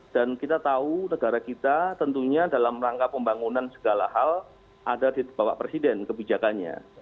dan kita tahu negara kita tentunya dalam rangka pembangunan segala hal ada di bapak presiden kebijakannya